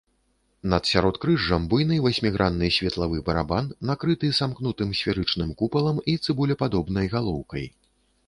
Над сяродкрыжжам буйны васьмігранны светлавы барабан накрыты самкнутым сферычным купалам і цыбулепадобнай галоўкай.